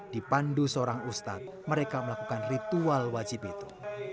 dipandu seorang ustadz mereka melakukan ritual wajib itu